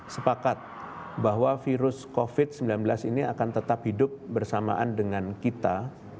sepakat bahwa virus covid sembilan belas ini akan tetap hidup bersamaan dengan kita